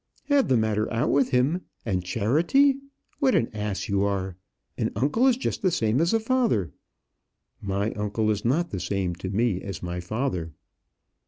"Have the matter out with him! and charity! What an ass you are! An uncle is just the same as a father." "My uncle is not the same to me as my father."